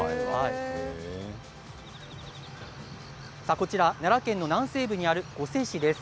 こちらは奈良県の南西部にある御所市です。